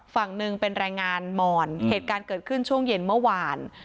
ฝั่งหนึ่งเป็นแรงงานมอนเหตุการณ์เกิดขึ้นช่วงเย็นเมื่อวาน